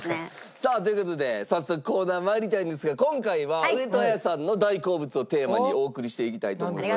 さあという事で早速コーナー参りたいんですが今回は上戸彩さんの大好物をテーマにお送りしていきたいと思います。